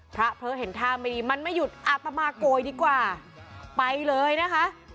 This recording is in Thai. เผลอเห็นท่าไม่ดีมันไม่หยุดอาตมาโกยดีกว่าไปเลยนะคะ